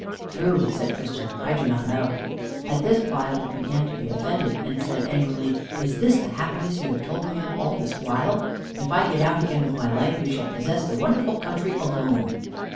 "Truly," said Christian, "I do not know." At this Pliable began to be offended, and said angrily, "Is this the happiness you have told me of all this while? If I get out again with my life, you shall possess the wonderful country alone."